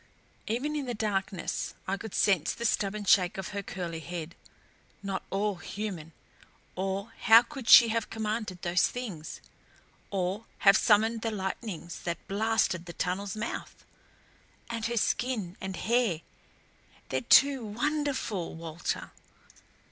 Even in the darkness I could sense the stubborn shake of her curly head. "Not all human. Or how could she have commanded those things? Or have summoned the lightnings that blasted the tunnel's mouth? And her skin and hair they're too WONDERFUL, Walter.